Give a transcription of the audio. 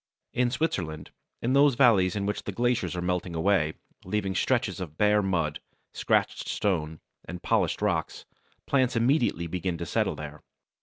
] In Switzerland, in those valleys in which the glaciers are melting away, leaving stretches of bare mud, scratched stones, and polished rock, plants immediately begin to settle there.